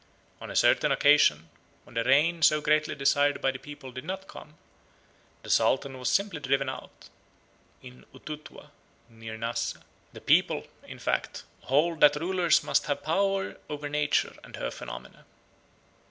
On a certain occasion, when the rain so greatly desired by the people did not come, the Sultan was simply driven out (in Ututwa, near Nassa). The people, in fact, hold that rulers must have power over Nature and her phenomena."